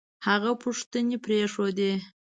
هغه پوښتنې پرېښودې